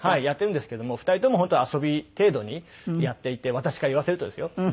やってるんですけども２人とも本当遊び程度にやっていて私から言わせるとですよ。